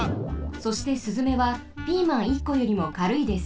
そしてスズメはピーマン１こよりもかるいです。